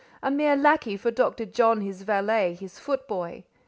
A mere lackey for Dr. John his valet, his foot boy!